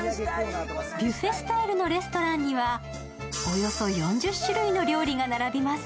ビュッフェスタイルのレストランにはおよそ４０種類の料理が並びます。